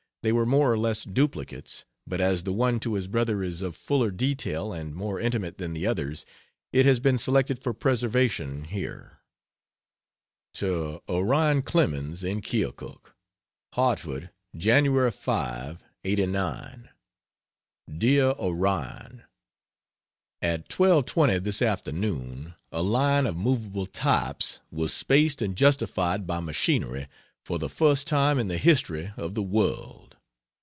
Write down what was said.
They were more or less duplicates, but as the one to his brother is of fuller detail and more intimate than the others, it has been selected for preservation here. To Orion Clemens, in Keokuk: HARTFORD, Jan. 5, '89. DEAR ORION, At 12.20 this afternoon a line of movable types was spaced and justified by machinery, for the first time in the history of the world!